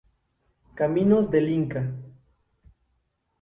Caminos del Inca.